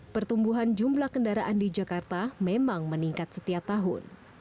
pertumbuhan jumlah kendaraan di jakarta memang meningkat setiap tahun